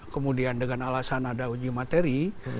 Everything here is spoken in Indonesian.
kemudian dengan alasan ada uji materi